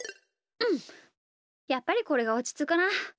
うんやっぱりこれがおちつくな。